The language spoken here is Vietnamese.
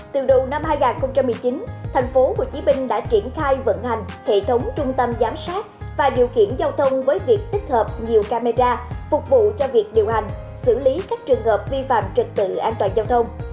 từ đầu năm hai nghìn một mươi chín thành phố hồ chí minh đã triển khai vận hành hệ thống trung tâm giám sát và điều khiển giao thông với việc tích hợp nhiều camera phục vụ cho việc điều hành xử lý các trường hợp vi phạm trịch tự an toàn giao thông